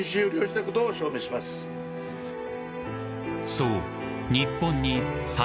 ［そう］